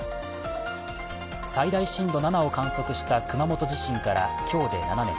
最大震度７を観測した熊本地震から今日で７年。